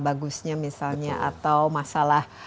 bagusnya misalnya atau masalah